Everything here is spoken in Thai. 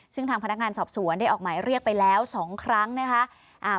ซึ่งทางพนักงานสอบสวนได้ออกหมายเรียกไปแล้ว๒ครั้งนะคะ